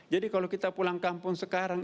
kalau kita pulang kampung sekarang